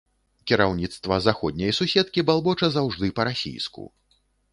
Кіраўніцтва заходняй суседкі балбоча заўжды па-расійску.